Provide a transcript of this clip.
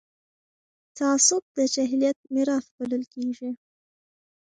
تعصب د جاهلیت میراث بلل کېږي